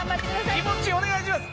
気持ちお願いします！